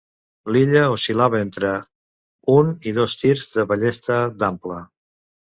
L'illa oscil·lava entre un i dos tirs de ballesta d'ample.